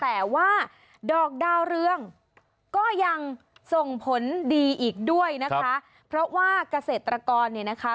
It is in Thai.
แต่ว่าดอกดาวเรืองก็ยังส่งผลดีอีกด้วยนะคะเพราะว่าเกษตรกรเนี่ยนะคะ